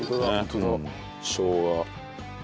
しょうが。